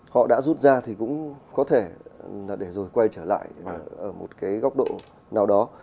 họ đã rút ra thì cũng có thể để rồi quay trở lại ở một góc độ nào đó